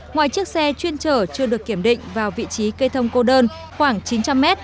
ngoài chiếc xe chuyên chở chưa được kiểm định vào vị trí cây thông cô đơn khoảng chín trăm linh m